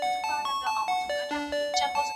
اوبه د کرنې لپاره ضروري دي.